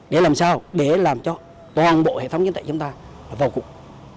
để làm sao để làm cho toàn bộ hệ thống chính tệ chúng ta là vô cùng